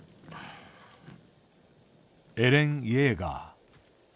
エレン・イェーガー。